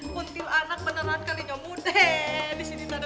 kutil anak beneran kali nyamun deh disini ga ada kuntilanak